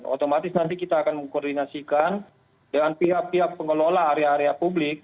otomatis nanti kita akan mengkoordinasikan dengan pihak pihak pengelola area area publik